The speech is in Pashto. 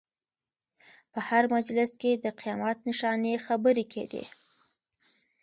په هر مجلس کې د قیامت نښانې خبرې کېدې.